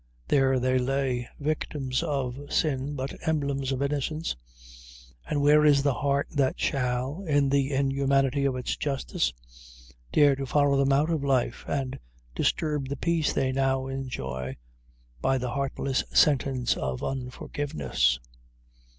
There they lay, victims of sin, but emblems of innocence, and where is the heart that shall, in the inhumanity of its justice, dare to follow them out of life, and disturb the peace they now enjoy by the heartless sentence of unforgiveness?